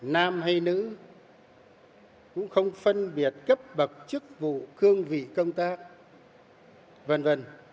nam hay nữ cũng không phân biệt cấp bậc chức vụ cương vị công tác v v